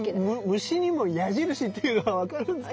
虫にも矢印っていうのは分かるんですかね。